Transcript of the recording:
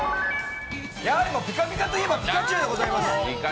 やはりピカピカといえばピカチュウでございます。